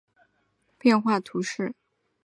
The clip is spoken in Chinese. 阿尔纳克蓬帕杜人口变化图示